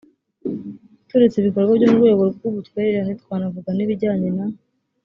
turetse ibikorwa byo mu rwego rw ubutwererane twanavuga n ibijyanye na